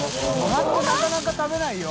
なかなか食べないよ。